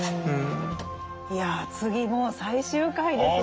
いや次もう最終回ですね。